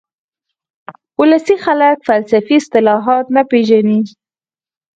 ولسي خلک فلسفي اصطلاحات نه پېژني